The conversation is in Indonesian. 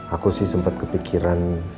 aku sih sempet kepikiran